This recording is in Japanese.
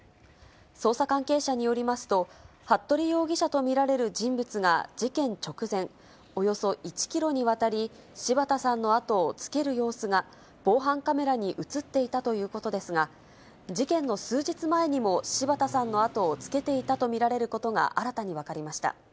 捜査関係者によりますと、服部容疑者と見られる人物が事件直前、およそ１キロにわたり、柴田さんの後をつける様子が防犯カメラに写っていたということですが、事件の数日前にも柴田さんの後をつけていたと見られることが新たに分かりました。